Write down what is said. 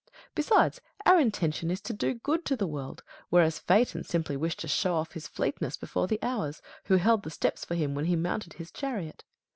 Besides, our intention is to do good to the world, whereas Phaeton simply wished to show off his fleetness before the Hours, who held the steps for him when he mounted his chariot.